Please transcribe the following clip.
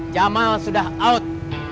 jamal sudah out